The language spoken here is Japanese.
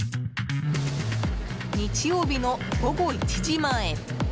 日曜日の午後１時前